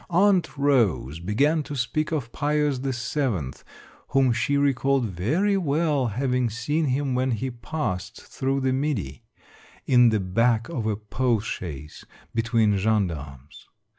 Aunt Rose began to speak of Pius VII., whom she recalled very well, having seen him when he passed through the Midi, in the back of a post chaise, between gendarmes.